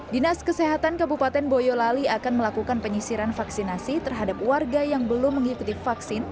dinas kesehatan kabupaten boyolali akan melakukan penyisiran vaksinasi terhadap warga yang belum mengikuti vaksin